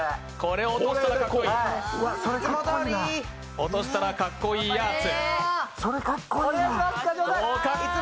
落としたらかっこいいやーつ。